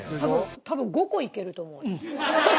多分５個いけると思う。